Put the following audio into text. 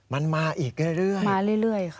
มันมาอีกเรื่อย